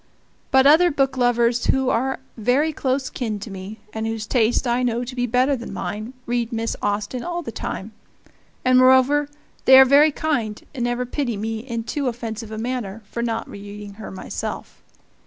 But other booklovers who are very close kin to me, and whose taste I know to be better than mine, read Miss Austen all the time and, moreover, they are very kind, and never pity me in too offensive a manner for not reading her myself.